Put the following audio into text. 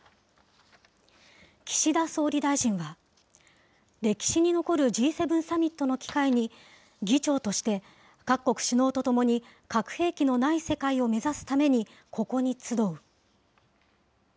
岸田総理大臣は、歴史に残るＧ７サミットの機会に、議長として各国首脳と共に、核兵器のない世界を目指すためにここに集う。